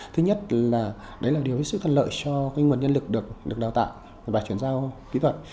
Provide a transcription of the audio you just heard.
thứ nhất đấy là điều sức thân lợi cho nguồn nhân lực được đào tạo và chuyển giao kỹ thuật